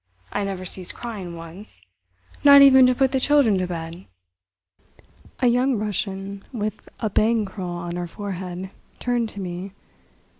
I never ceased crying once—not even to put the children to bed." A young Russian, with a "bang" curl on her forehead, turned to me.